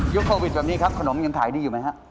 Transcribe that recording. โควิดแบบนี้ครับขนมยังขายดีอยู่ไหมฮะ